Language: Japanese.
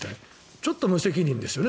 ちょっと無責任ですよね。